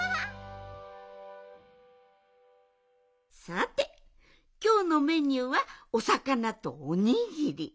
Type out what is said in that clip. さてきょうのメニューはおさかなとおにぎり。